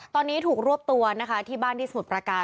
ตอนนี้ถูกรวบตัวนะคะที่บ้านที่สมุทรประการ